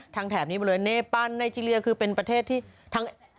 ทางแถบนี้หมดเลยเนเปลไนเจเลียคือเป็นประเทศที่ทั้ง